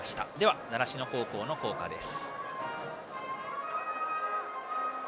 習志野高校の校歌です。